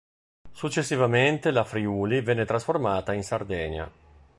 Successivamente la "Friuli" venne trasferita in Sardegna.